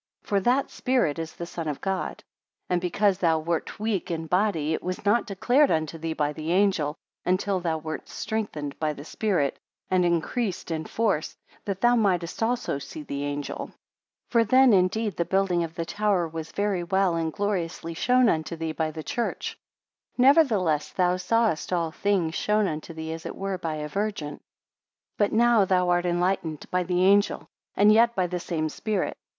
For that Spirit is the Son of God. 2 And because thou wert weak in body, it was not declared unto thee by the angel, until thou wert strengthened by the Spirit, and increased in force, that thou mightest also see the angel: 3 For then indeed the building of the tower was very well and gloriously shown unto thee by the church; nevertheless thou sawest all things shown unto thee as it were by a virgin. 4 But now thou art enlightened by the angel, and yet by the same Spirit.